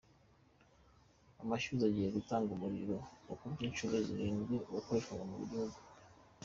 Amashyuza agiye gutanga umuriro ukubye inshuro zirindwi uwakoreshwaga mu gihugu